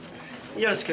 よろしく。